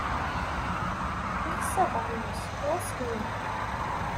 Els abernus, d asemmiḍ.